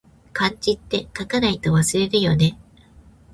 漢字って、書かないと忘れるよね